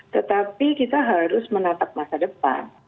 tetapi kita harus menatap masa depan